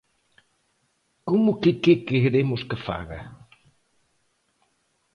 ¿Como que que queremos que faga?